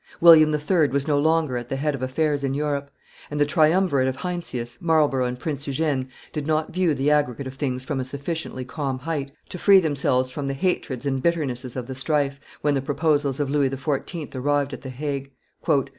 William III. was no longer at the head of affairs in Europe; and the triumvirate of Heinsius, Marlborough, and Prince Eugene did not view the aggregate of things from a sufficiently calm height to free themselves from the hatreds and, bitternesses of the strife, when the proposals of Louis XIV. arrived at the Hague.